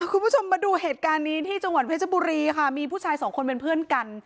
คุณผู้ชมมาดูเหตุการณ์นี้ที่จังหวัดเพชรบุรีค่ะมีผู้ชายสองคนเป็นเพื่อนกัน